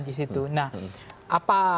di situ nah apa